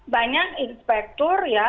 banyak inspektur ya